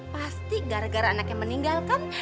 pasti gara gara anaknya meninggalkan